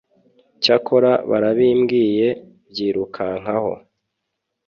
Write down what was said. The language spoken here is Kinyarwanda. cyakora barabimbwiye byirukankamo